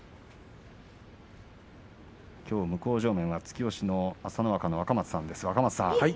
きょう向正面は突き押しの朝乃若の若松さんです。